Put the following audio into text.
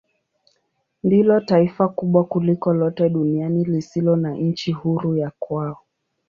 Ndilo taifa kubwa kuliko lote duniani lisilo na nchi huru ya kwao.